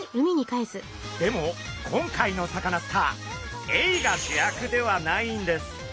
でも今回のサカナスターエイが主役ではないんです。